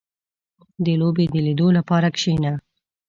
• د لوبې د لیدو لپاره کښېنه.